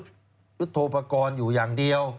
หรือโทปกรณ์อยู่อย่างเดียว